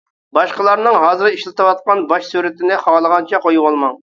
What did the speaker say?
باشقىلارنىڭ ھازىر ئىشلىتىۋاتقان باش سۈرىتىنى خالىغانچە قويۇۋالماڭ.